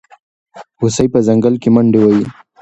هوسۍ په ځنګل کې منډې وهي.